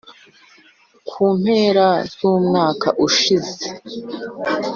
ku mpera z’umwaka ushize